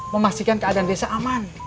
memastikan keadaan desa aman